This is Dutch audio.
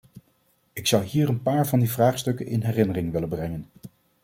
Ik zou hier een paar van die vraagstukken in herinnering willen brengen.